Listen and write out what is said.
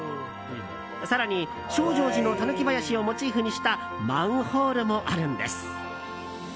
更に「証城寺の狸ばやし」をモチーフにしたマンホールもあるんです。